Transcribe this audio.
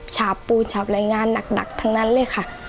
ฉาบปูนฉาบรายงานหนักทั้งนั้นเลยค่ะ